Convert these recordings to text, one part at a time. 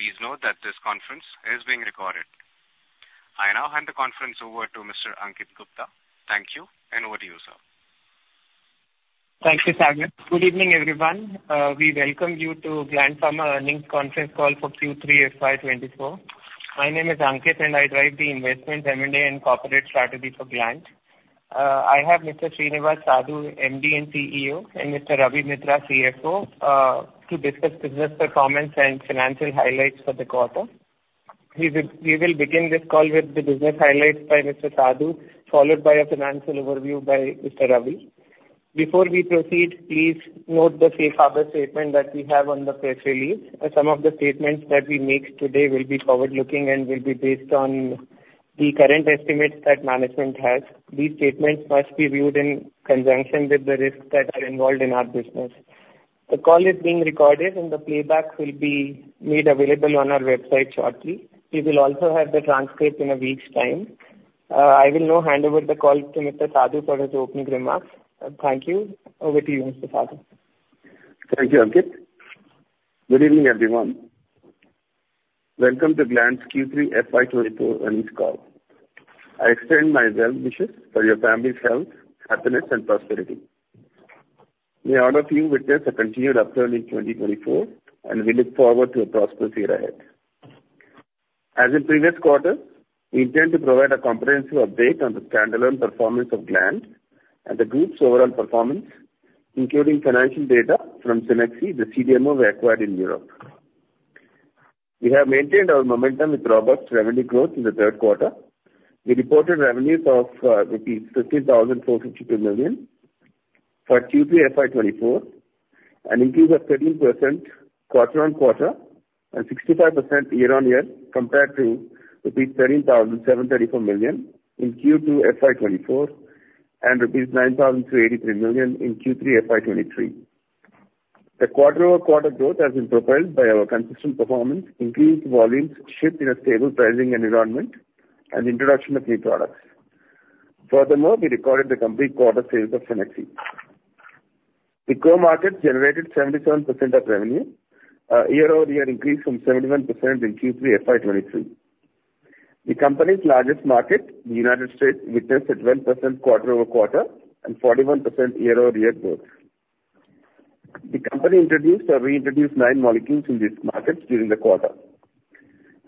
Phone. Please note that this conference is being recorded. I now hand the conference over to Mr. Ankit Gupta. Thank you, and over to you, sir. Thank you, Sadu. Good evening, everyone. We welcome you to Gland Pharma Earnings Conference Call for Q3 FY 2024. My name is Ankit, and I drive the investment M&A and corporate strategy for Gland. I have Mr. Srinivas Sadu, MD and CEO, and Mr. Ravi Mitra, CFO, to discuss business performance and financial highlights for the quarter. We will begin this call with the business highlights by Mr. Sadu, followed by a financial overview by Mr. Ravi. Before we proceed, please note the safe harbor statement that we have on the press release. Some of the statements that we make today will be forward-looking and will be based on the current estimates that management has. These statements must be viewed in conjunction with the risks that are involved in our business. The call is being recorded, and the playback will be made available on our website shortly. We will also have the transcript in a week's time. I will now hand over the call to Mr. Sadu for his opening remarks. Thank you. Over to you, Mr. Sadu. Thank you, Ankit. Good evening, everyone. Welcome to Gland's Q3 FY 2024 earnings call. I extend my well wishes for your family's health, happiness, and prosperity. May all of you witness a continued upturn in 2024, and we look forward to a prosperous year ahead. As in previous quarters, we intend to provide a comprehensive update on the standalone performance of Gland and the group's overall performance, including financial data from Cenexi, the CDMO we acquired in Europe. We have maintained our momentum with robust revenue growth in the third quarter. We reported revenues of rupees 15,452 million for Q3 FY 2024, an increase of 13% quarter-on-quarter and 65% year-on-year compared to rupees 13,734 million in Q2 FY 2024 and rupees 9,383 million in Q3 FY 2023. The quarter-over-quarter growth has been propelled by our consistent performance, increased volumes, shift in a stable pricing environment, and the introduction of new products. Furthermore, we recorded the complete quarter sales of Cenexi. The core markets generated 77% of revenue, a year-over-year increase from 71% in Q3 FY 2023. The company's largest market, the United States, witnessed a 12% quarter-over-quarter and 41% year-over-year growth. The company introduced or reintroduced nine molecules in these markets during the quarter.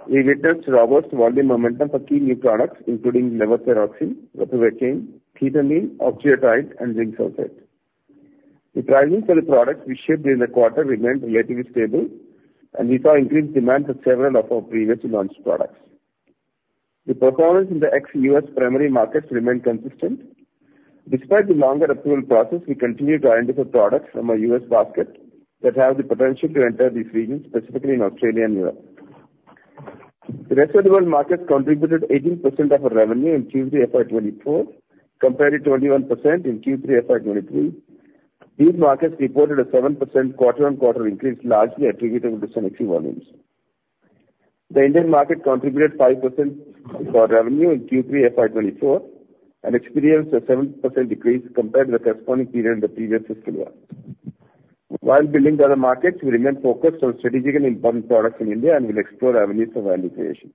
We witnessed robust volume momentum for key new products, including Levothyroxine, Ropivacaine, Ketamine, Octreotide, and Zinc Sulfate. The pricing for the products we shipped during the quarter remained relatively stable, and we saw increased demand for several of our previously launched products. The performance in the ex-US primary markets remained consistent. Despite the longer approval process, we continue to identify products from our US basket that have the potential to enter these regions, specifically in Australia and Europe. The rest of the world markets contributed 18% of our revenue in Q3 FY 2024 compared to 21% in Q3 FY 2023. These markets reported a 7% quarter-on-quarter increase, largely attributable to Cenexi volumes. The Indian market contributed 5% for revenue in Q3 FY 2024 and experienced a 7% decrease compared to the corresponding period in the previous fiscal year. While building the other markets, we remain focused on strategically important products in India and will explore avenues for value creation.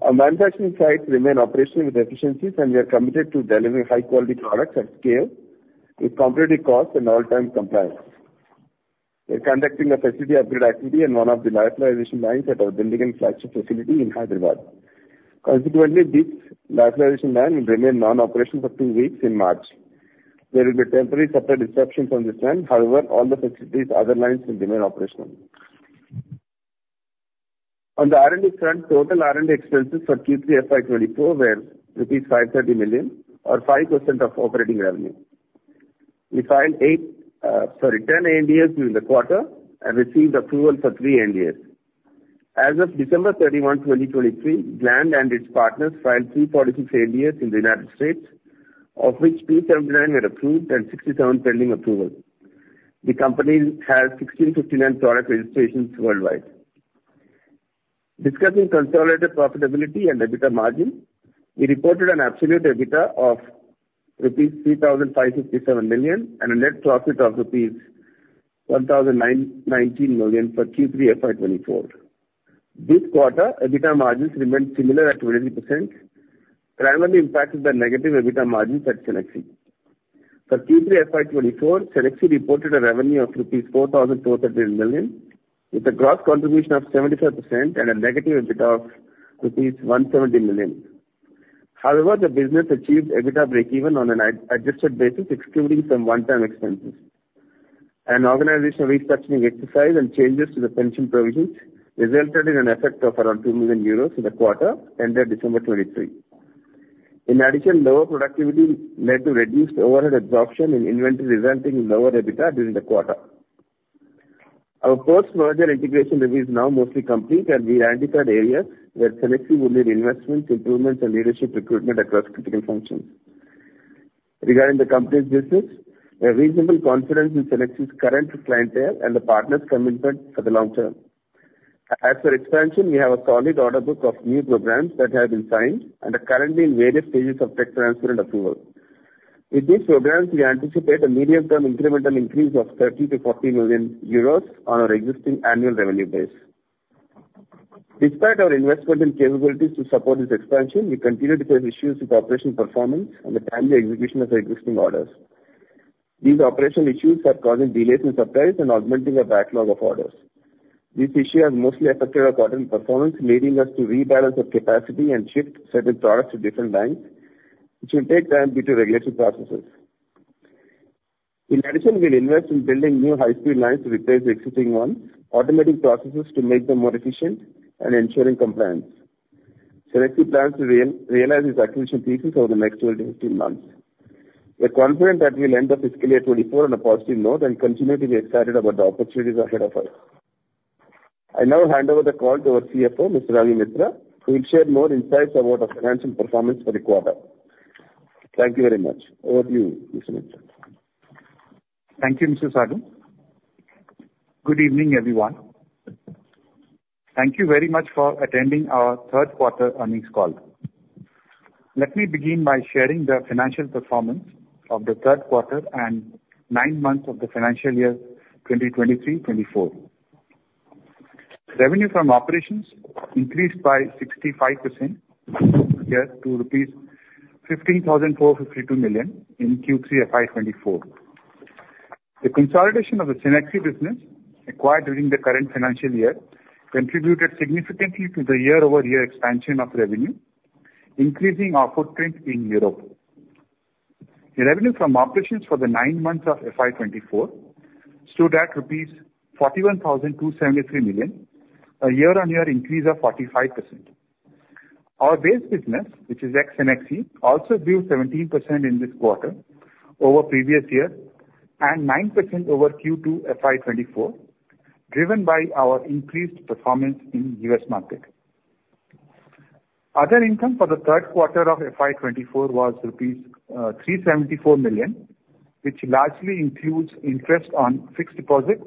Our manufacturing sites remain operational with efficiencies, and we are committed to delivering high-quality products at scale with competitive costs and all-time compliance. We're conducting a facility upgrade activity in one of the lyophilization lines at our Dundigal flagship facility in Hyderabad. Consequently, this lyophilization line will remain non-operational for two weeks in March. There will be temporary supply disruptions on this line. However, all the facilities, other lines, will remain operational. On the R&D front, total R&D expenses for Q3 FY 2024 were rupees 530 million, or 5% of operating revenue. We filed eight, sorry, 10 ANDAs during the quarter and received approval for three ANDAs. As of December 31, 2023, Gland and its partners filed 346 ANDAs in the United States, of which 279 were approved and 67 pending approval. The company has 1,659 product registrations worldwide. Discussing consolidated profitability and EBITDA margin, we reported an absolute EBITDA of rupees 3,557 million and a net profit of rupees 1,019 million for Q3 FY 2024. This quarter, EBITDA margins remained similar at 23%, primarily impacted by negative EBITDA margins at Cenexi. For Q3 FY 2024, Cenexi reported a revenue of INR. 4,438 million, with a gross contribution of 75% and a negative EBITDA of rupees 170 million. However, the business achieved EBITDA break-even on an adjusted basis, excluding some one-time expenses. An organizational restructuring exercise and changes to the pension provisions resulted in an effect of around 2 million euros in the quarter ended December 2023. In addition, lower productivity led to reduced overhead absorption in inventory, resulting in lower EBITDA during the quarter. Our post-merger integration review is now mostly complete, and we identified areas where Cenexi would need investments, improvements, and leadership recruitment across critical functions. Regarding the company's business, we have reasonable confidence in Cenexi's current clientele and the partners' commitment for the long term. As for expansion, we have a solid order book of new programs that have been signed and are currently in various stages of tech transfer and approval. With these programs, we anticipate a medium-term incremental increase of 30-40 million euros on our existing annual revenue base. Despite our investment in capabilities to support this expansion, we continue to face issues with operational performance and the timely execution of our existing orders. These operational issues are causing delays in supplies and augmenting our backlog of orders. This issue has mostly affected our quarterly performance, leading us to rebalance our capacity and shift certain products to different lines, which will take time due to regulatory processes. In addition, we'll invest in building new high-speed lines to replace the existing ones, automating processes to make them more efficient, and ensuring compliance. Cenexi plans to realize its acquisition thesis over the next 12-15 months. We're confident that we'll end the fiscal year 2024 on a positive note and continue to be excited about the opportunities ahead of us. I now hand over the call to our CFO, Mr. Ravi Mitra, who will share more insights about our financial performance for the quarter. Thank you very much. Over to you, Mr. Mitra. Thank you, Mr. Sadu. Good evening, everyone. Thank you very much for attending our third quarter earnings call. Let me begin by sharing the financial performance of the third quarter and nine months of the financial year 2023/24. Revenue from operations increased by 65% to rupees 15,452 million in Q3 FY 2024. The consolidation of the Cenexi business acquired during the current financial year contributed significantly to the year-over-year expansion of revenue, increasing our footprint in Europe. Revenue from operations for the nine months of FY 2024 stood at rupees 41,273 million, a year-on-year increase of 45%. Our base business, which is ex-Cenexi, also grew 17% in this quarter over previous year and 9% over Q2 FY 2024, driven by our increased performance in the U.S. market. Other income for the third quarter of FY 2024 was INR. 374 million, which largely includes interest on fixed deposit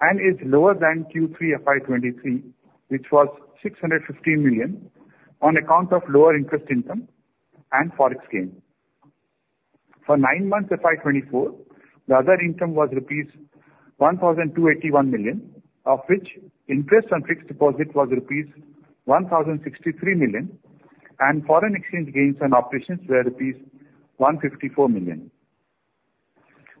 and is lower than Q3 FY 2023, which was 615 million on account of lower interest income and forex gain. For nine months FY 2024, the other income was rupees 1,281 million, of which interest on fixed deposit was rupees 1,063 million, and foreign exchange gains on operations were rupees 154 million.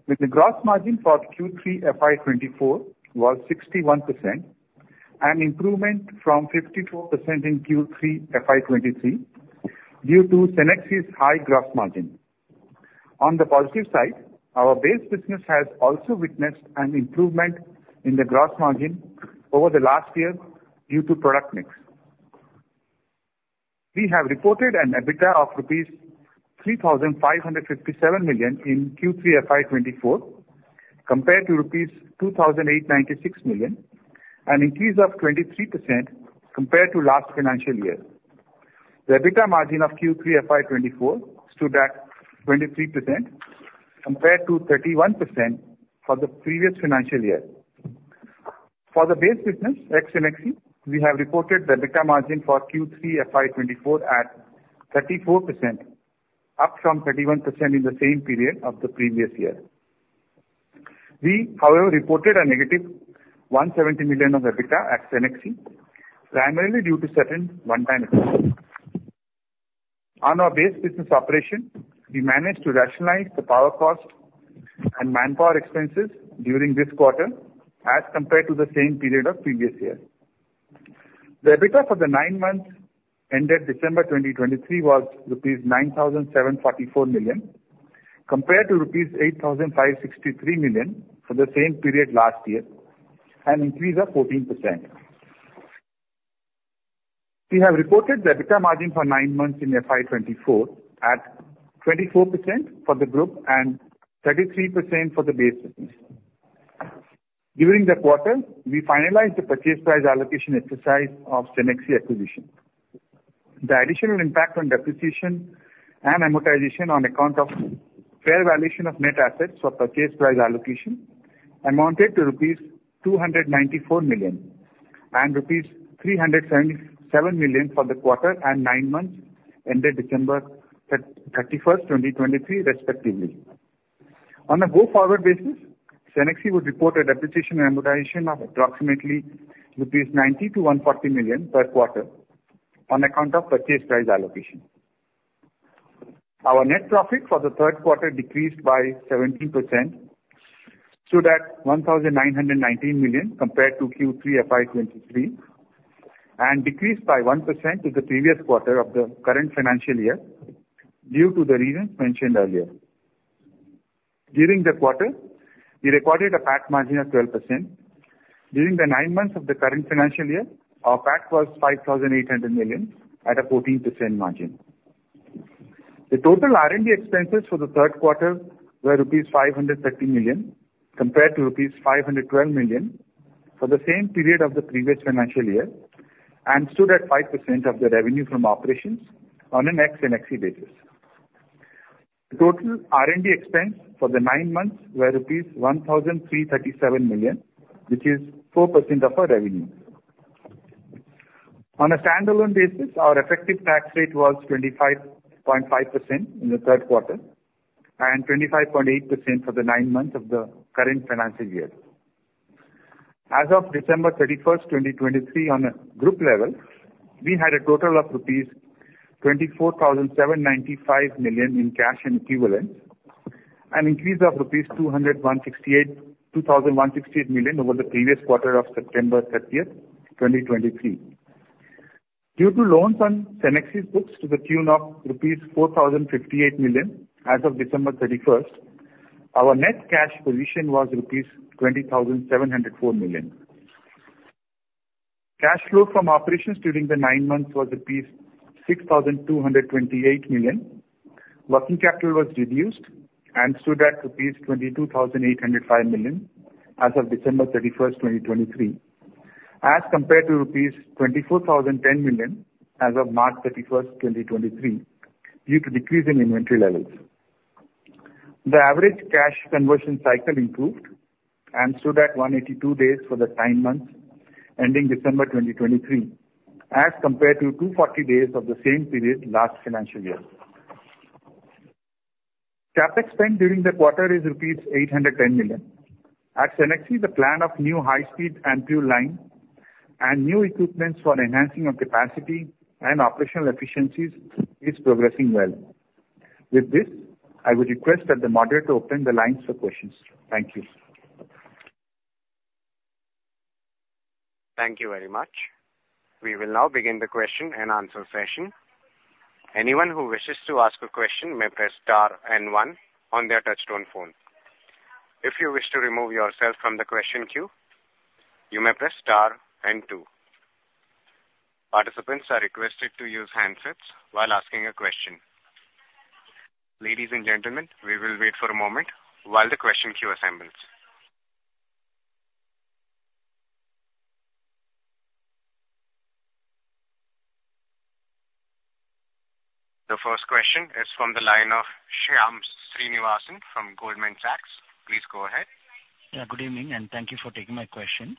With the gross margin for Q3 FY 2024 was 61%, an improvement from 54% in Q3 FY 2023 due to Cenexi's high gross margin. On the positive side, our base business has also witnessed an improvement in the gross margin over the last year due to product mix. We have reported an EBITDA of 3,557 million rupees in Q3 FY 2024 compared to 2,896 million rupees, an increase of 23% compared to last financial year. The EBITDA margin of Q3 FY 2024 stood at 23% compared to 31% for the previous financial year. For the base business, ex-Cenexi, we have reported the EBITDA margin for Q3 FY 2024 at 34%, up from 31% in the same period of the previous year. We, however, reported a negative 170 million of EBITDA at Cenexi, primarily due to certain one-time expenses. On our base business operation, we managed to rationalize the power cost and manpower expenses during this quarter as compared to the same period of previous year. The EBITDA for the nine months ended December 2023 was rupees 9,744 million compared to rupees 8,563 million for the same period last year, an increase of 14%. We have reported the EBITDA margin for nine months in FY 2024 at 24% for the group and 33% for the base business. During the quarter, we finalized the purchase price allocation exercise of Cenexi acquisition. The additional impact on depreciation and amortization on account of fair valuation of net assets for purchase price allocation amounted to rupees 294 million and rupees 377 million for the quarter and nine months ended December 31st, 2023, respectively. On a go-forward basis, Cenexi would report a depreciation and amortization of approximately 90-140 million rupees per quarter on account of purchase price allocation. Our net profit for the third quarter decreased by 17%, stood at 1,919 million compared to Q3 FY 2023, and decreased by 1% to the previous quarter of the current financial year due to the reasons mentioned earlier. During the quarter, we recorded a PAT margin of 12%. During the nine months of the current financial year, our PAT was 5,800 million at a 14% margin. The total R&D expenses for the third quarter were rupees 530 million compared to Rs. 512 million for the same period of the previous financial year and stood at 5% of the revenue from operations on an ex-Cenexi basis. The total R&D expense for the nine months were rupees 1,337 million, which is 4% of our revenue. On a standalone basis, our effective tax rate was 25.5% in the third quarter and 25.8% for the nine months of the current financial year. As of December 31st, 2023, on a group level, we had a total of rupees 24,795 million in cash and equivalents, an increase of rupees 2,168 million over the previous quarter of September 30th, 2023. Due to loans on Cenexi's books to the tune of INR 4,058 million as of December 31st, our net cash position was INR 20,704 million. Cash flow from operations during the nine months was 6,228 million. Working capital was reduced and stood at INR. 22,805 million as of December 31st, 2023, as compared to rupees 24,010 million as of March 31st, 2023, due to decrease in inventory levels. The average cash conversion cycle improved and stood at 182 days for the nine months ending December 2023, as compared to 240 days of the same period last financial year. CapEx spend during the quarter is rupees 810 million. At Cenexi, the plan of new high-speed and pure line and new equipments for enhancing our capacity and operational efficiencies is progressing well. With this, I would request that the moderator open the lines for questions. Thank you. Thank you very much. We will now begin the question and answer session. Anyone who wishes to ask a question may press star and one on their touch-tone phone. If you wish to remove yourself from the question queue, you may press star and two. Participants are requested to use handsets while asking a question. Ladies and gentlemen, we will wait for a moment while the question queue assembles. The first question is from the line of Shyamakant Giri from Goldman Sachs. Please go ahead. Yeah, good evening, and thank you for taking my question.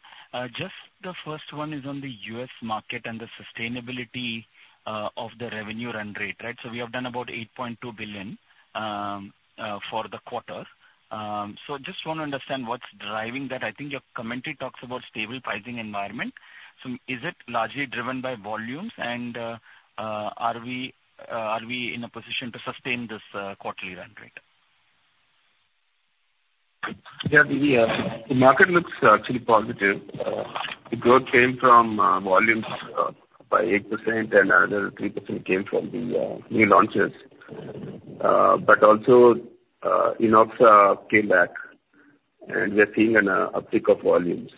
Just the first one is on the U.S. market and the sustainability of the revenue run rate, right? So we have done about $8.2 billion for the quarter. So just want to understand what's driving that. I think your commentary talks about stable pricing environment. So is it largely driven by volumes, and are we, are we in a position to sustain this quarterly run rate? Yeah, the market looks actually positive. The growth came from volumes by 8%, and another 3% came from the new launches. But also, Enoxaparin came back, and we are seeing an uptick of volumes.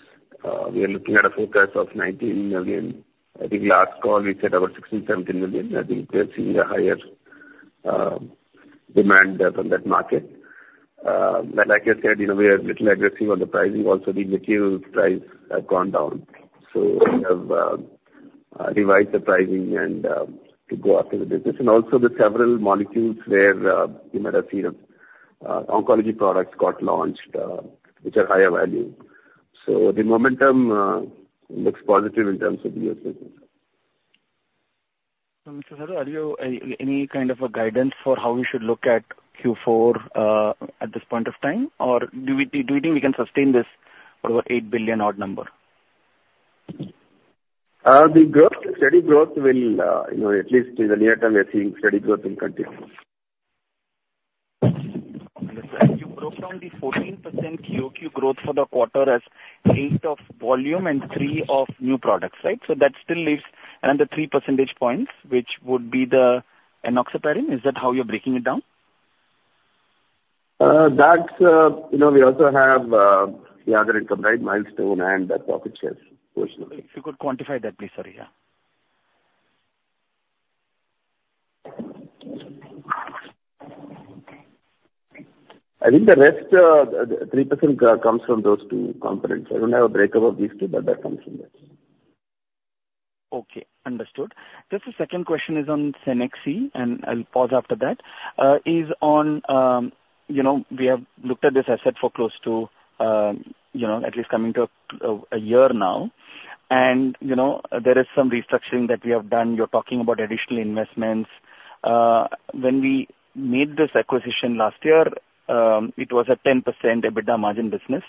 We are looking at a forecast of $19 million. I think last call, we said about $16-$17 million. I think we are seeing a higher demand from that market. But like I said, you know, we are a little aggressive on the pricing. Also, the material price has gone down, so we have revised the pricing and to go after the business. And also, there are several molecules where you might have seen oncology products got launched, which are higher value. So the momentum looks positive in terms of the U.S. business. Mr. Sadu, are you any kind of guidance for how we should look at Q4 at this point of time, or do you think we can sustain this for over 8 billion odd number? The growth, steady growth will, you know, at least in the near term, we are seeing steady growth will continue. Mr. Sadu, you broke down the 14% COQ growth for the quarter as 8 of volume and 3 of new products, right? So that still leaves another 3 percentage points, which would be the Enoxaparin. Is that how you're breaking it down? That's, you know, we also have the other income, right, milestone and the profit share portion of it. If you could quantify that, please. Sorry, yeah. I think the rest, the 3% comes from those two components. I don't have a breakdown of these two, but that comes from that. Okay, understood. Just the second question is on Cenexi, and I'll pause after that. Is on, you know, we have looked at this asset for close to, you know, at least coming to a, a year now, and, you know, there is some restructuring that we have done. You're talking about additional investments. When we made this acquisition last year, it was a 10% EBITDA margin business.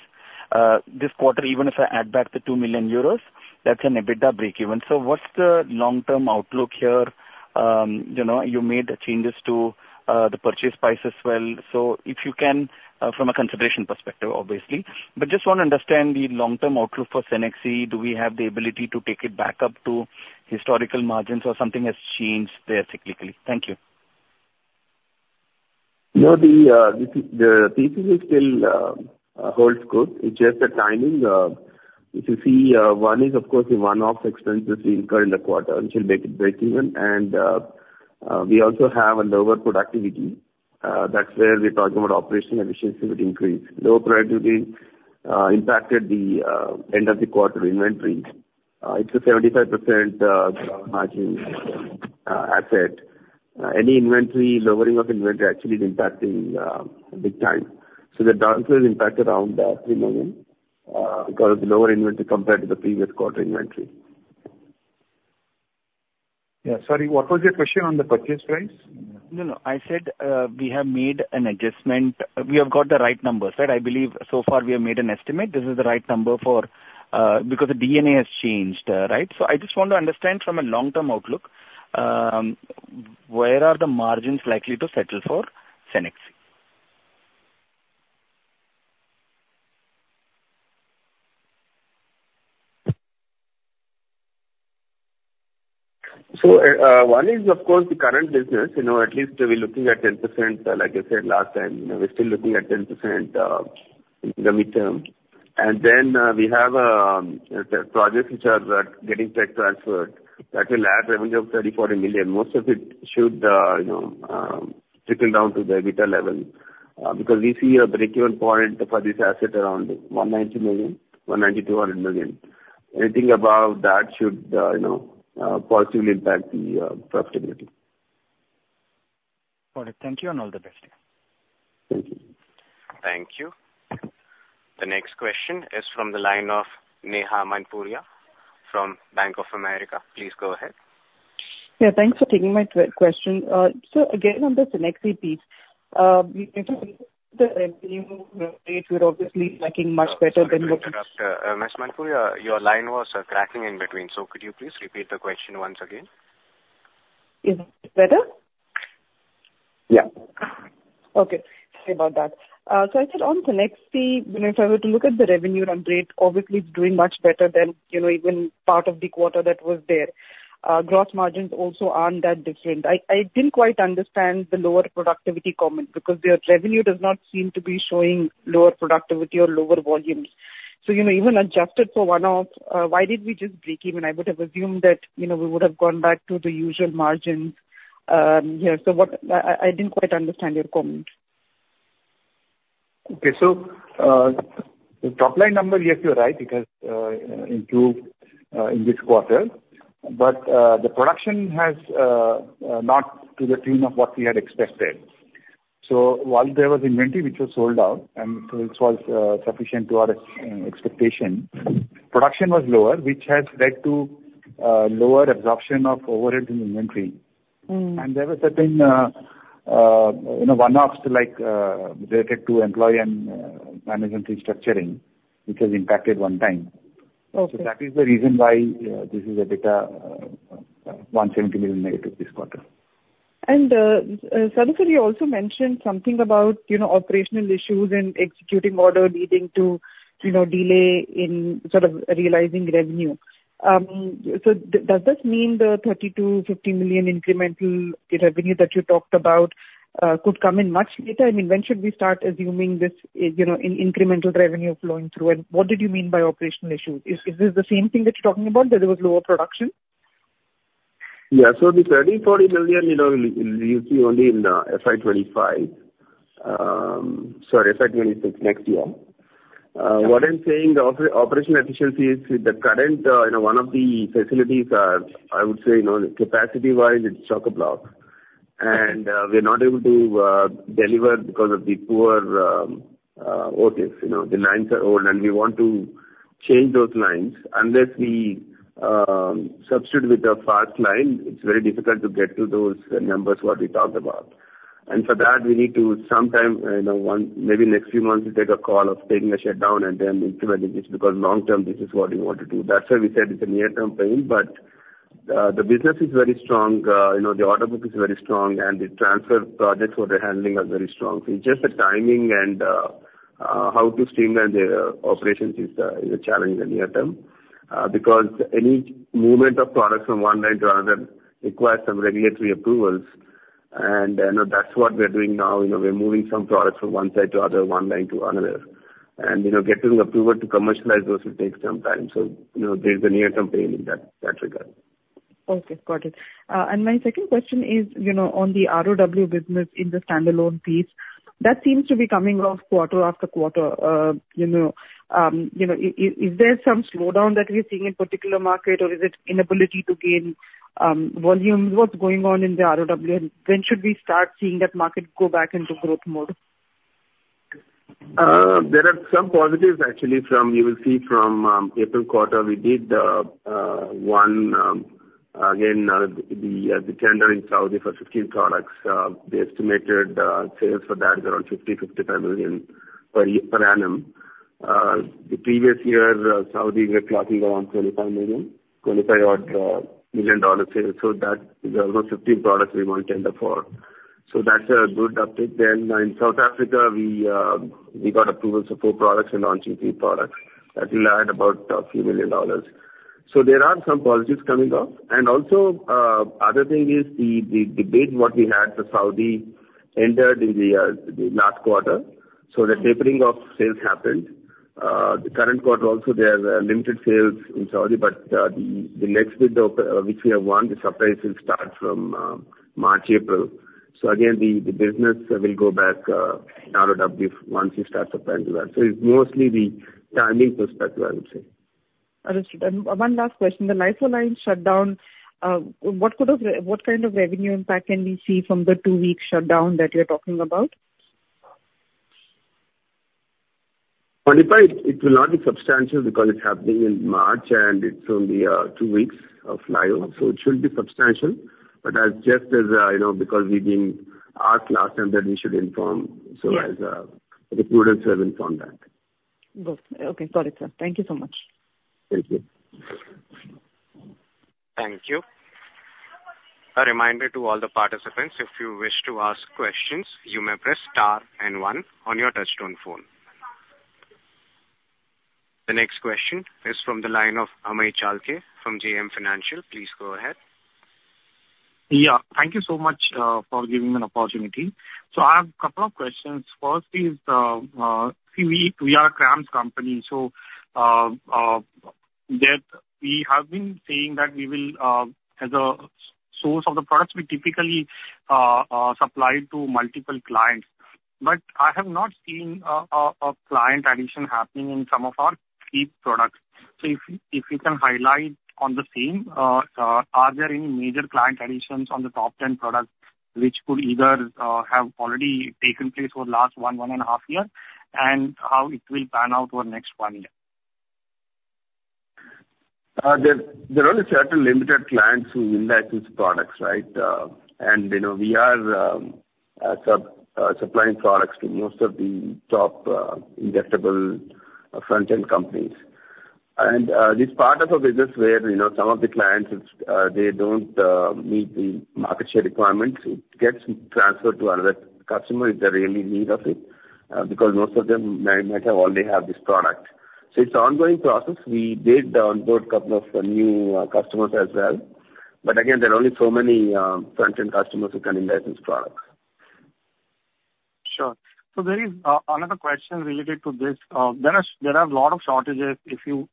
This quarter, even if I add back the 2 million euros, that's an EBITDA breakeven. So what's the long-term outlook here? You know, you made changes to, the purchase price as well. So if you can, from a consideration perspective, obviously. But just want to understand the long-term outlook for Cenexi. Do we have the ability to take it back up to historical margins, or something has changed there cyclically? Thank you. You know, this is the thesis is still holds good. It's just the timing. If you see, one is, of course, the one-off expenses we incur in the quarter, which will make it breakeven. And, we also have a lower productivity. That's where we're talking about operational efficiency would increase. Lower productivity impacted the end of the quarter inventory. It's a 75% margin asset. Any inventory lowering of inventory actually is impacting big time. So the downside is impacted around 3 million, because of the lower inventory compared to the previous quarter inventory. Yeah. Sorry, what was your question on the purchase price? No, no. I said, we have made an adjustment. We have got the right numbers, right? I believe so far, we have made an estimate. This is the right number for, because the DNA has changed, right? So I just want to understand from a long-term outlook, where are the margins likely to settle for Cenexi? So, one is, of course, the current business. You know, at least we're looking at 10%, like I said last time. You know, we're still looking at 10% in the midterm. And then, we have projects which are getting tech transferred that will add revenue of 30-40 million. Most of it should, you know, trickle down to the EBITDA level, because we see a breakeven point for this asset around 190-200 million. Anything above that should, you know, positively impact the profitability. Got it. Thank you, and all the best, yeah. Thank you. Thank you. The next question is from the line of Neha Manpuria from Bank of America. Please go ahead. Yeah, thanks for taking my question. So again, on the Cenexi piece, if you look at the revenue rate, we're obviously tracking much better than what we've. Sorry, Mr. Sadu, Ms. Manpuria, your line was cracking in between. So could you please repeat the question once again? Is it better? Yeah. Okay. Sorry about that. So I said on Cenexi, you know, if I were to look at the revenue run rate, obviously, it's doing much better than, you know, even part of the quarter that was there. Gross margins also aren't that different. I, I didn't quite understand the lower productivity comment because their revenue does not seem to be showing lower productivity or lower volumes. So, you know, even adjusted for one-off, why did we just breakeven? I would have assumed that, you know, we would have gone back to the usual margins, here. So what I, I didn't quite understand your comment. Okay. So the top-line number, yes, you're right, because improved in this quarter. But the production has not to the tune of what we had expected. So while there was inventory which was sold out, and so this was sufficient to our expectation, production was lower, which has led to lower absorption of overhead in inventory. And there was something, you know, one-offs too, like related to employee and management restructuring, which has impacted one time. Okay. So that is the reason why this is a bit of 170 million negative this quarter. Sadu, so you also mentioned something about, you know, operational issues and executing order leading to, you know, delay in sort of realizing revenue. So does this mean the $30 million-$50 million incremental revenue that you talked about could come in much later? I mean, when should we start assuming this, you know, incremental revenue flowing through? And what did you mean by operational issues? Is this the same thing that you're talking about, that there was lower production? Yeah. So the 30 million-40 million, you know, you see only in the FY 2025, sorry, FY 2026 next year. What I'm saying, the operational efficiency is the current, you know, one of the facilities are, I would say, you know, capacity-wise, it's chockablock. And, we're not able to deliver because of the poor OTIF. You know, the lines are old, and we want to change those lines. Unless we substitute with a fast line, it's very difficult to get to those numbers what we talked about. And for that, we need to sometime, you know, one maybe next few months, we take a call of taking a shutdown and then implementing this because long-term, this is what we want to do. That's why we said it's a near-term pain. But the business is very strong. You know, the order book is very strong, and the transfer projects what we're handling are very strong. So it's just the timing and, how to streamline the operations is a challenge in the near term, because any movement of products from one line to another requires some regulatory approvals. And, you know, that's what we're doing now. You know, we're moving some products from one side to other, one line to another. And, you know, getting approval to commercialize those will take some time. So, you know, there's a near-term pain in that regard. Okay, got it. My second question is, you know, on the ROW business in the standalone piece, that seems to be coming off quarter after quarter, you know, you know, is there some slowdown that we're seeing in particular market, or is it inability to gain, volume? What's going on in the ROW, and when should we start seeing that market go back into growth mode? There are some positives, actually, from—you will see from the April quarter—we did one, again, the tender in Saudi for 15 products. The estimated sales for that is around $50-$55 million per year, per annum. The previous year, Saudi, we were clocking around $25 million, 25-odd million dollar sales. So that is almost 15 products we won tender for. So that's a good uptick. Then, in South Africa, we got approvals for four products and launching three products. That will add about a few million dollars. So there are some positives coming off. And also, other thing is the debate what we had for Saudi ended in the last quarter. So the tapering of sales happened. The current quarter also, there's limited sales in Saudi, but the next bid open, which we have won, the supply will start from March, April. So again, the business will go back narrowed up if once we start supplying to that. So it's mostly the timing perspective, I would say. Understood. And one last question. The Lyo line shutdown, what could have what kind of revenue impact can we see from the two-week shutdown that you're talking about? 25, it will not be substantial because it's happening in March, and it's only two weeks of LYO. So it should be substantial, but just as, you know, because we've been asked last time that we should inform, so regulators have informed that. Good. Okay, got it, sir. Thank you so much. Thank you. Thank you. A reminder to all the participants, if you wish to ask questions, you may press star and one on your touch-tone phone. The next question is from the line of Amey Chalke from JM Financial. Please go ahead. Yeah. Thank you so much for giving me an opportunity. So I have a couple of questions. First is, see, we are a CRAMS company, so that we have been saying that we will, as a source of the products, we typically supply to multiple clients. But I have not seen a client addition happening in some of our key products. So if you can highlight on the same, are there any major client additions on the top 10 products which could either have already taken place over the last one and a half years, and how it will pan out over the next one year? There are only certain limited clients who will like these products, right? And, you know, we are supplying products to most of the top injectable front-end companies. This part of the business where, you know, some of the clients, they don't meet the market share requirements, it gets transferred to another customer if they're really in need of it, because most of them may already have this product. So it's an ongoing process. We did onboard a couple of new customers as well. But again, there are only so many front-end customers who can enlist these products. Sure. So there is another question related to this. There are a lot of shortages. If you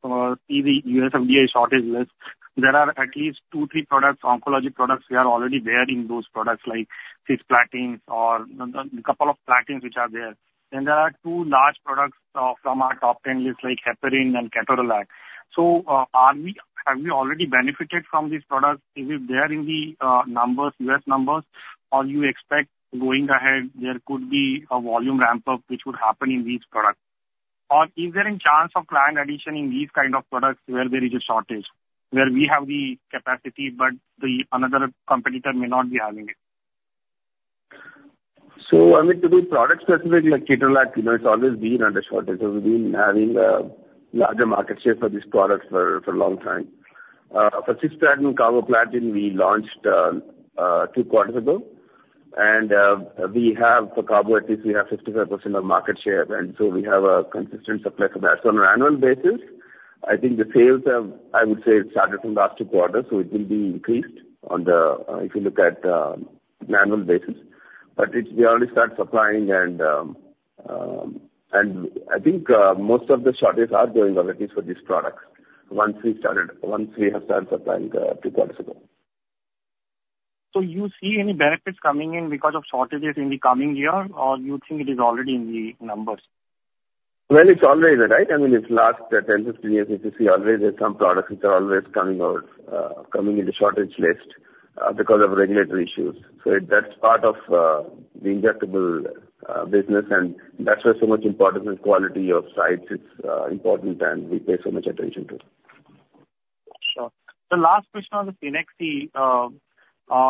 see the USFDA shortage list, there are at least two, three products, oncology products, we are already there in those products, like Cisplatin or the couple of platins which are there. And there are two large products from our top 10 list, like Heparin and Ketorolac. So, have we already benefited from these products? Is it there in the numbers, US numbers, or you expect going ahead, there could be a volume ramp-up which would happen in these products? Or is there a chance of client addition in these kind of products where there is a shortage, where we have the capacity but the another competitor may not be having it? So, I mean, to be product-specific, like Ketorolac, you know, it's always been under shortage. So we've been having larger market share for these products for a long time. For Cisplatin and Carboplatin, we launched two quarters ago. And we have for Carbo, at least we have 55% of market share, and so we have a consistent supply for that. So on an annual basis, I think the sales have, I would say, started from last two quarters, so it will be increased on the, if you look at, an annual basis. But it's we already start supplying, and I think most of the shortages are going on at least for these products once we started once we have started supplying two quarters ago. You see any benefits coming in because of shortages in the coming year, or you think it is already in the numbers? Well, it's always there, right? I mean, it's last 10, 15 years, if you see, always there's some products which are always coming out, coming in the shortage list, because of regulatory issues. So that's part of the injectable business, and that's why so much importance in quality of sites is important, and we pay so much attention to it. Sure. The last question on the Cenexi,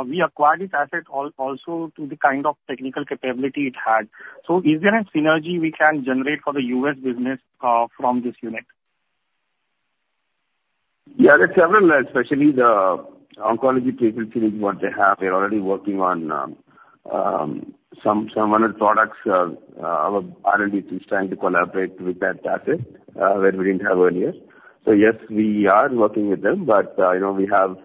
we acquired this asset also through the kind of technical capability it had. So is there a synergy we can generate for the U.S. business, from this unit? Yeah, there's several, especially the oncology treatment units, what they have. They're already working on some other products of R&D to trying to collaborate with that asset, where we didn't have earlier. So yes, we are working with them, but, you know, we have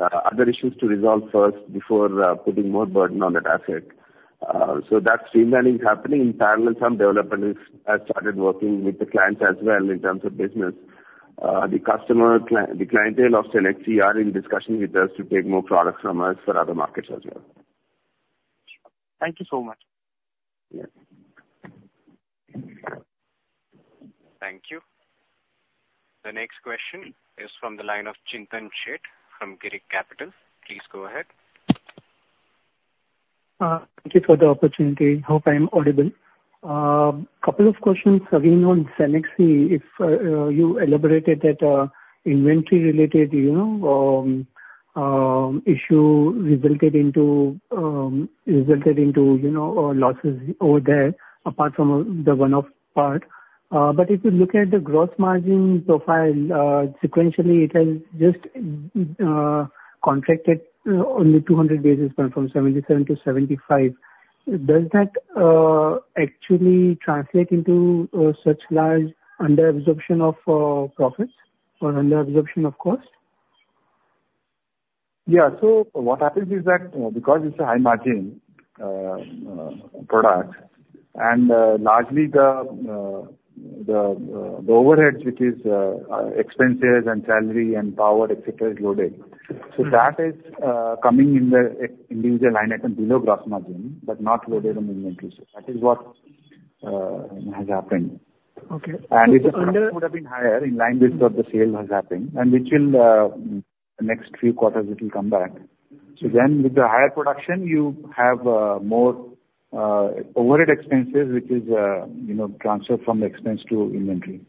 other issues to resolve first before putting more burden on that asset. So that streamlining's happening. In parallel, some development has started working with the clients as well in terms of business. The clientele of Cenexi are in discussion with us to take more products from us for other markets as well. Sure. Thank you so much. Yes. Thank you. The next question is from the line of Chintan Sheth from GIRIC Capital. Please go ahead. Thank you for the opportunity. Hope I'm audible. Couple of questions again on Cenexi. If you elaborated that inventory-related, you know, issue resulted into you know losses over there apart from the one-off part. But if you look at the gross margin profile, sequentially, it has just contracted only 200 basis points from 77%-75%. Does that actually translate into such large underabsorption of profits or underabsorption of cost? Yeah. So what happens is that, you know, because it's a high-margin product, and largely the overhead, which is expenses and salary and power, etc., is loaded. So that is coming in the SG&A line item below gross margin but not loaded on inventory. So that is what has happened. Okay. Under? It should have been higher in line with what the sales have happened, and which will, next few quarters, it will come back. Then with the higher production, you have more overhead expenses, which is, you know, transferred from expense to inventory.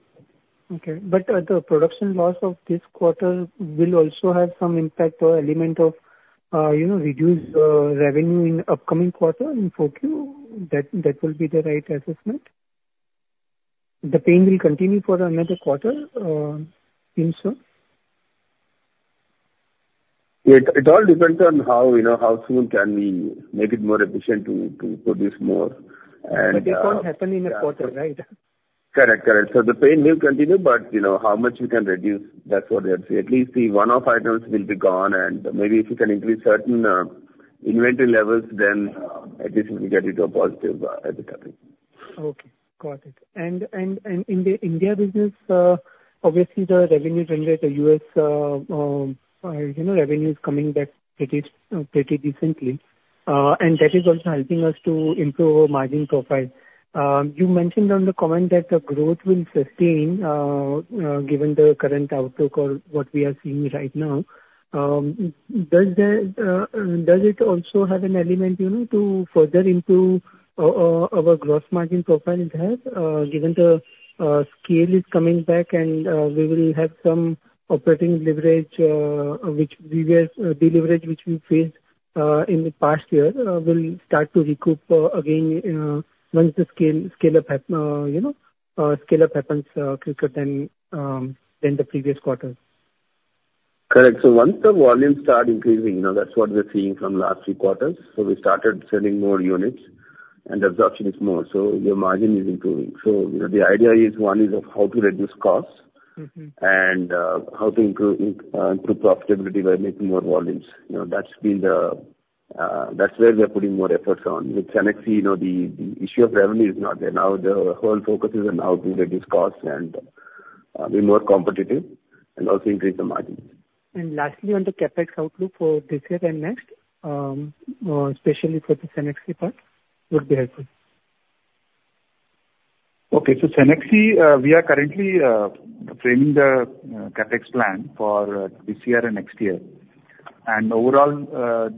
Okay. But the production loss of this quarter will also have some impact or element of, you know, reduced revenue in upcoming quarter in 4Q? That will be the right assessment? The pain will continue for another quarter, in soon? Yeah. It all depends on how, you know, how soon can we make it more efficient to produce more, and, But it won't happen in a quarter, right? Correct, correct. So the pain will continue, but, you know, how much we can reduce, that's what I would say. At least the one-off items will be gone, and maybe if we can increase certain inventory levels, then at least we will get into a positive at the topic. Okay, got it. And in the India business, obviously, the revenue generated, the US, you know, revenue is coming back pretty, pretty decently. And that is also helping us to improve our margin profile. You mentioned on the comment that the growth will sustain, given the current outlook or what we are seeing right now. Does it also have an element, you know, to further improve our gross margin profile in that, given the scale is coming back and we will have some operating leverage, which we were deleverage, which we faced in the past year, will start to recoup again, once the scale scale-up happens, you know, quicker than the previous quarter? Correct. So once the volume start increasing, you know, that's what we're seeing from last few quarters. So we started selling more units, and absorption is more. So your margin is improving. So, you know, the idea is, one is of how to reduce costs. How to improve, improve profitability by making more volumes. You know, that's been the, that's where we are putting more efforts on. With Cenexi, you know, the issue of revenue is not there. Now, the whole focus is on how to reduce costs and be more competitive and also increase the margins. And lastly, on the CapEx outlook for this year and next, especially for the Cenexi part, would be helpful. Okay. So Cenexi, we are currently framing the CapEx plan for this year and next year. And overall,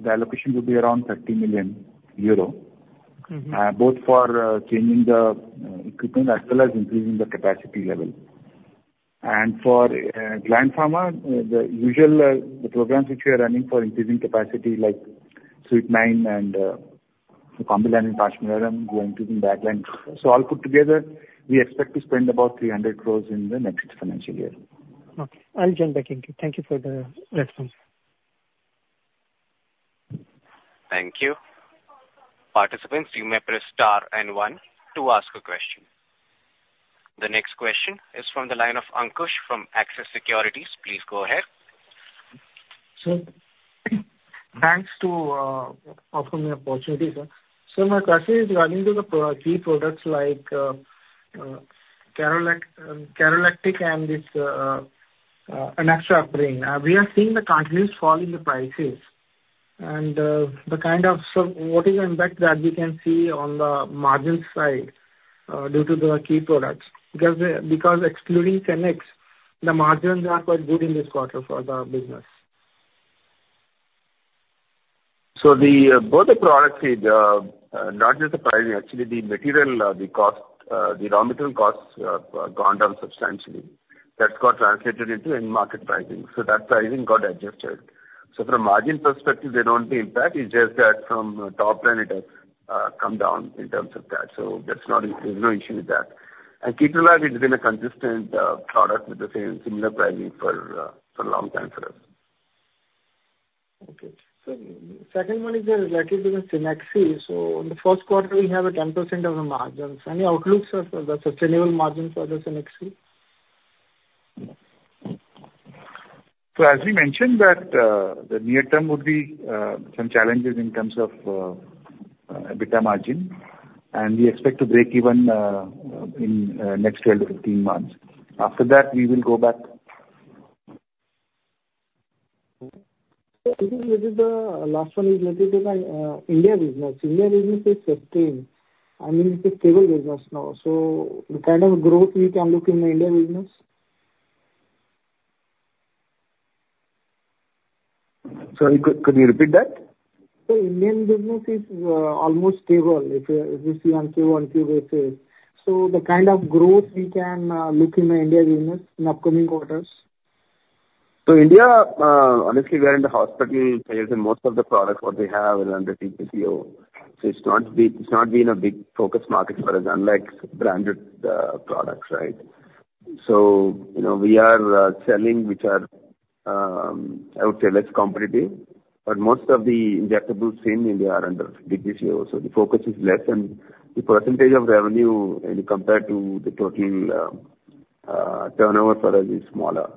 the allocation would be around 30 million euro both for changing the equipment as well as increasing the capacity level. For Gland Pharma, the usual the programs which we are running for increasing capacity, like Suite nine and for Combi line and Pashamylaram, we are increasing backline. So all put together, we expect to spend about 300 in the next financial year. Okay. I'll jump back in. Thank you for the response. Thank you. Participants, you may press star and one to ask a question. The next question is from the line of Ankush from Axis Securities. Please go ahead. Sir, thanks for offering me the opportunity, sir. Sir, my question is regarding the key products like Ketorolac, Ketorolac and Enoxaparin. We are seeing the continuous fall in the prices, and so what is the impact that we can see on the margin side due to the key products? Because excluding Cenexi, the margins are quite good in this quarter for the business. So both the products, not just the pricing, actually, the material, the cost, the raw material costs gone down substantially. That's got translated into end-market pricing. So that pricing got adjusted. So from a margin perspective, the only impact is just that from top line, it has come down in terms of that. So that's not an issue. There's no issue with that. And Ketorolac, it's been a consistent product with the same similar pricing for a long time for us. Okay. Sir, the second one is related to the Cenexi. So in the first quarter, we have a 10% of the margins. Any outlooks for the sustainable margin for the Cenexi? As we mentioned that the near term would be some challenges in terms of EBITDA margin, and we expect to break even in next 12-15 months. After that, we will go back. Okay. This is the last one is related to the India business. India business is sustained. I mean, it's a stable business now. So the kind of growth we can look in the India business? Sorry. Could you repeat that? Sir, Indian business is almost stable if you see on Q1, Q basis. So the kind of growth we can look in the India business in upcoming quarters? So India, honestly, we are in the hospital space, and most of the products, what they have, will undertake the PO. So it's not been a big focus market for us, unlike branded products, right? So, you know, we are selling which are, I would say less competitive, but most of the injectables in India are under DPCO. So the focus is less, and the percentage of revenue when you compare to the total turnover for us is smaller.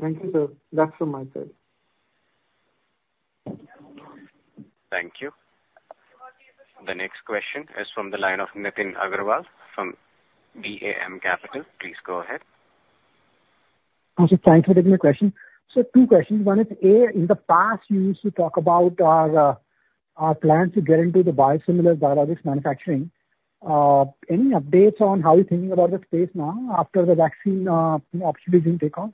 Thank you, sir. That's from my side. Thank you. The next question is from the line of Nitin Agarwal from DAM Capital. Please go ahead. I'll just try to answer the question. So, two questions. One is, A, in the past, you used to talk about our, our plans to get into the biosimilar biologics manufacturing. Any updates on how you're thinking about the space now after the vaccine, you know, actually didn't take off?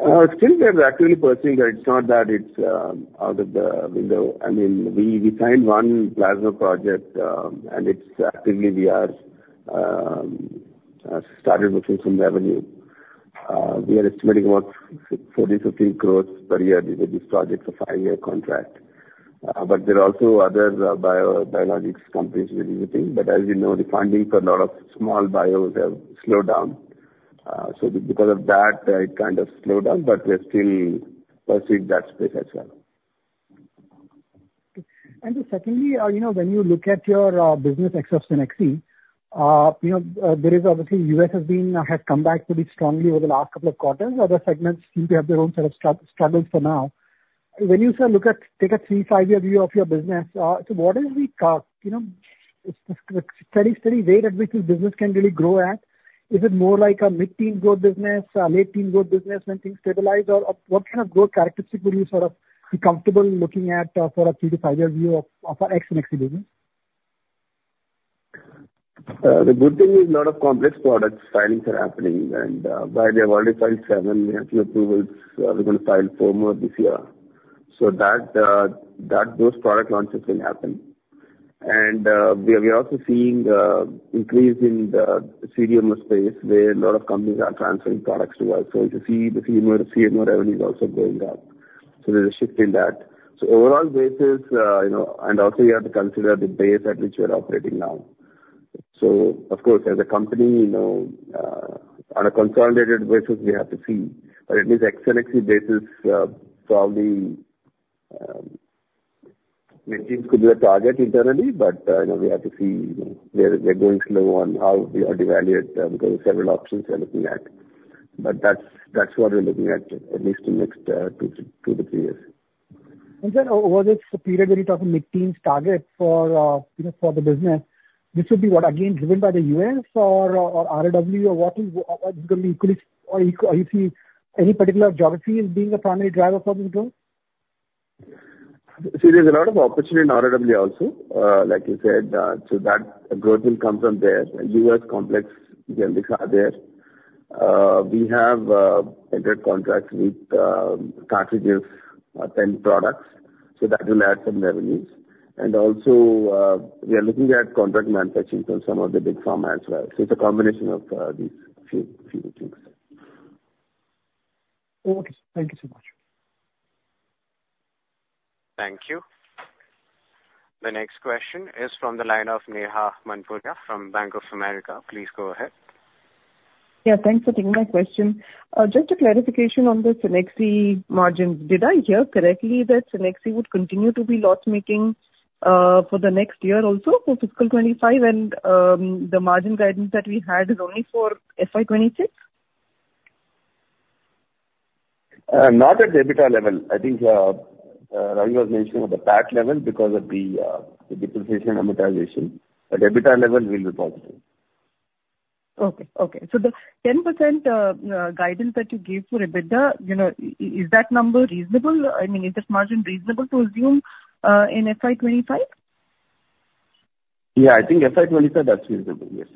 Still, we are actively pursuing that. It's not that it's out of the window. I mean, we signed one plasma project, and it's actively we are started looking for revenue. We are estimating about 14-15 crores per year with this project for five-year contract. But there are also other bio-biologics companies we're visiting. But as you know, the funding for a lot of small bios has slowed down. So because of that, it kind of slowed down, but we're still pursuing that space as well. Okay. And secondly, you know, when you look at your business except Cenexi, you know, there is obviously US has been, has come back pretty strongly over the last couple of quarters. Other segments seem to have their own sort of struggles for now. When you sir look at, take a 3-5-year view of your business, so what is the, you know, it's the steady rate at which this business can really grow at? Is it more like a mid-teens growth business, a late-teens growth business when things stabilize, or what kind of growth characteristic would you sort of be comfortable looking at, for a 3-5-year view of our ex-Cenexi business? The good thing is a lot of complex product filings are happening, and, by the way, we have already filed 7. We have 2 approvals. We're going to file 4 more this year. So that, that those product launches will happen. And, we are, we are also seeing, increase in the CDMO space where a lot of companies are transferring products to us. So you can see the CDMO, the CDMO revenue is also going up. So there's a shift in that. So overall basis, you know, and also you have to consider the base at which we are operating now. So, of course, as a company, you know, on a consolidated basis, we have to see. But at least ex-Cenexi basis, probably mid-teens could be a target internally, but, you know, we have to see, you know, where they're going slow on how we are devalued, because there are several options we are looking at. But that's, that's what we're looking at at least in the next 2-3 years. Sir, was it the period when you talk of mid-teens target for, you know, for the business? This would be what, again, driven by the U.S. or, or RoW, or what is what is going to be equally or are you seeing any particular geography as being the primary driver for this growth? See, there's a lot of opportunity in RAW also, like you said, so that growth will come from there. U.S. complex, again, these are there. We have entered contracts with Carthage's 10 products, so that will add some revenues. And also, we are looking at contract manufacturing from some of the big pharma as well. So it's a combination of these few, few things. Okay. Thank you so much. Thank you. The next question is from the line of Neha Manpuria from Bank of America. Please go ahead. Yeah. Thanks for taking my question. Just a clarification on the Cenexi margins. Did I hear correctly that Cenexi would continue to be loss-making for the next year also for fiscal 2025, and the margin guidance that we had is only for FY 2026? Not at EBITDA level. I think, Ravi was mentioning at the PAT level because of the depreciation amortization. At EBITDA level, we'll be positive. Okay. Okay. So the 10% guidance that you gave for EBITDA, you know, is that number reasonable? I mean, is that margin reasonable to assume, in FY 2025? Yeah. I think FY 2025, that's reasonable. Yes.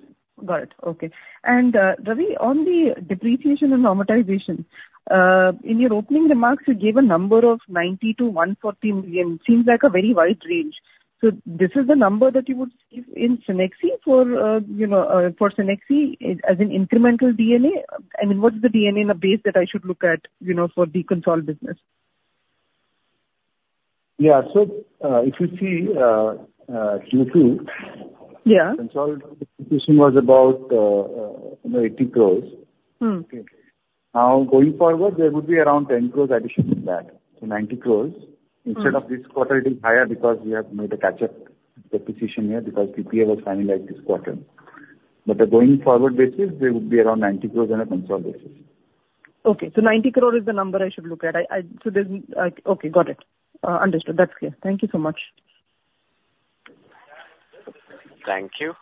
Got it. Okay. And, Ravi, on the depreciation and amortization, in your opening remarks, you gave a number of 90-140 million. Seems like a very wide range. So this is the number that you would see in Cenexi for, you know, for Cenexi as an incremental DA? I mean, what's the DA in the base that I should look at, you know, for the consolidated business? Yeah. So, if you see, Q2. Yeah. Consolidated distribution was about, you know, 80 crore. Okay. Now, going forward, there would be around 10 crore addition to that, so 90 crore. In this quarter, it is higher because we have made a catch-up depreciation here because PPA was finalized this quarter. But the going-forward basis, there would be around 90 crore on a consolidated basis. Okay. So 90 crore is the number I should look at. Got it. Understood. That's clear. Thank you so much. Thank you.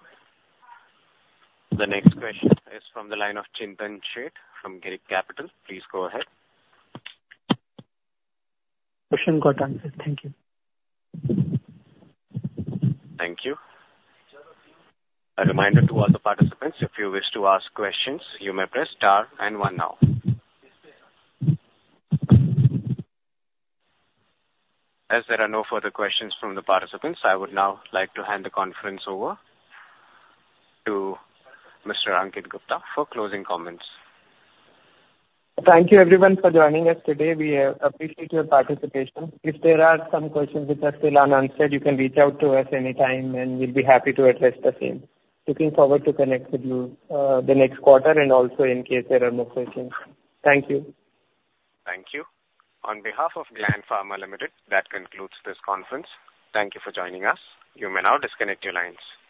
The next question is from the line of Chintan Sheth from GIRIC Capital. Please go ahead. Question got answered. Thank you. Thank you. A reminder to all the participants, if you wish to ask questions, you may press star and one now. As there are no further questions from the participants, I would now like to hand the conference over to Mr. Ankit Gupta for closing comments. Thank you, everyone, for joining us today. We appreciate your participation. If there are some questions which are still unanswered, you can reach out to us anytime, and we'll be happy to address the same. Looking forward to connecting with you, the next quarter and also in case there are more questions. Thank you. Thank you. On behalf of Gland Pharma Limited, that concludes this conference. Thank you for joining us. You may now disconnect your lines.